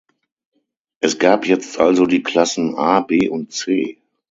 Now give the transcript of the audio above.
Es gab jetzt also die Klassen "A", "B" und "C".